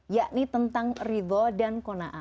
yakni tentang ridho dan kona'ah